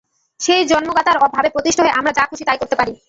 সেই জগন্মাতার ভাবে প্রতিষ্ঠিত হয়ে আমরা যা খুশী তাই করতে পারি।